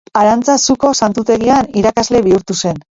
Arantzazuko santutegian irakasle bihurtu zen.